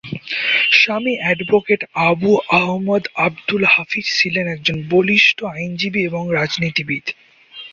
স্বামী এডভোকেট আবু আহমদ আব্দুল হাফিজ ছিলেন একজন বলিষ্ঠ আইনজীবী এবং রাজনীতিবিদ।